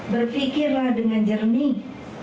berpikirlah dengan jernih